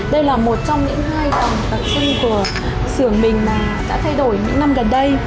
đây là một trong những hai tầng tập trung của sưởng mình đã thay đổi những năm gần đây